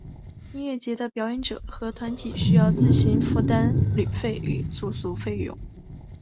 音乐节的表演者或团体需要自行负担旅费与住宿费用。